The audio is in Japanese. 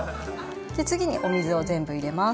次にお水を全部入れます。